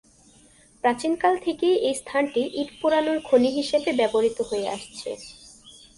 প্রাচীনকাল থেকেই এই স্থানটি ইট পোড়ানোর খনি হিসেবে ব্যবহৃত হয়ে আসছে।